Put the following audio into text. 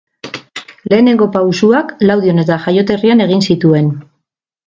Lehenengo pausoak Laudion eta jaioterrian egin zituen.